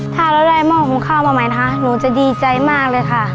ถ้าเราได้หม้อหุงข้าวมาใหม่นะคะหนูจะดีใจมากเลยค่ะ